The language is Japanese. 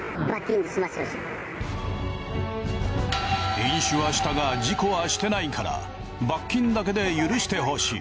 飲酒はしたが事故はしてないから罰金だけで許してほしい。